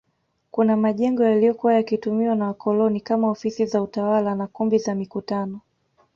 Kuna majengo yaliyokuwa yakitumiwa na wakoloni kama ofisi za utawala na kumbi za mikutano